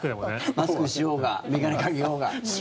マスクしようが眼鏡かけようが。